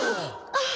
あっ。